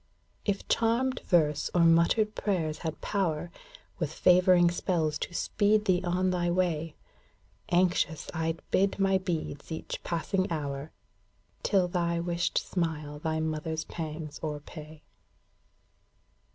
If charmed verse or muttered prayers had power. With favouring spells to speed thee on thy way. Anxious I 'd bid my beads each passing hour, Till thy wished smile thy mother's pangs o'erpay.